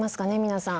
皆さん。